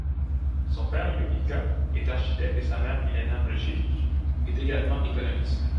Son père, Jovica, est architecte et sa mère, Milena Mršić, est également économiste.